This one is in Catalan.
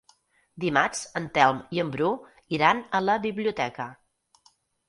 Dimarts en Telm i en Bru iran a la biblioteca.